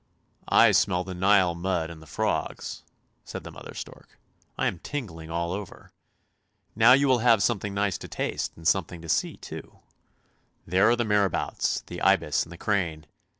" I smell the Nile mud and the frogs," said the mother stork. " I am tingling all over. Now, you will have something nice to taste, and something to see too. There are the marabouts, the ibis, and the crane.